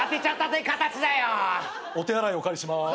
お手洗いお借りします。